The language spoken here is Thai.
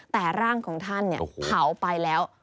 แต่ร่างของท่านเผาไปแล้ว